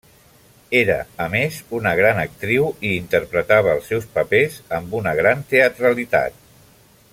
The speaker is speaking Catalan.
Era, a més, una gran actriu i interpretava els seus papers amb una gran teatralitat.